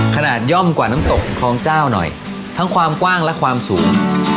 ย่อมกว่าน้ำตกคลองเจ้าหน่อยทั้งความกว้างและความสูง